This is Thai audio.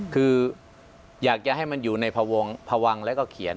คืออยากจะให้มันอยู่ในพวังแล้วก็เขียน